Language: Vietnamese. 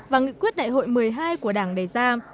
và nghị quyết đại hội một mươi hai của đảng đề ra